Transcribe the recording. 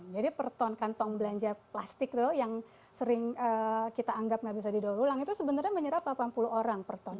jadi per ton kantong belanja plastik itu yang sering kita anggap tidak bisa didaur ulang itu sebenarnya menyerap delapan puluh orang per ton